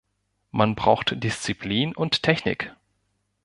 Man braucht Disziplin und Technik.